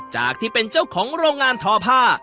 จากที่เป็นเจ้าของโรงงานทอผ้า